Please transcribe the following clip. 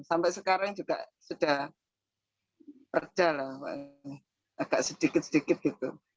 sampai sekarang juga sudah berjalan agak sedikit sedikit gitu